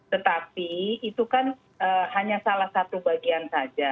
tetapi itu kan hanya salah satu bagian saja